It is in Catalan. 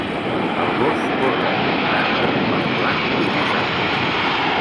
El gos corre al voltant d'un pal blanc i rosat.